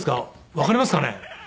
わかりますかね？